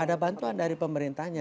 ada bantuan dari pemerintahnya